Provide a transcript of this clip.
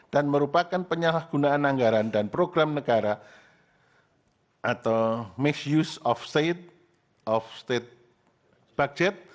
dan merupakan penyelahgunaan anggaran dan program negara atau misuse of state budget